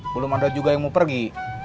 belum ada juga yang mau pergi